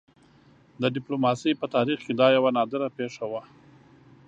د ډيپلوماسۍ په تاریخ کې دا یوه نادره پېښه وه.